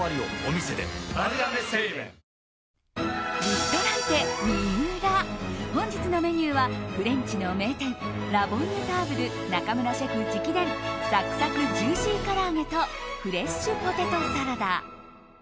リストランテＭＩＵＲＡ本日のメニューはフレンチの名店ラ・ボンヌターブル中村シェフ直伝サクサクジューシーから揚げとフレッシュポテトサラダ。